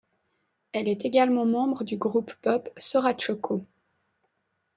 Elle est également membre du groupe pop Sorachoco.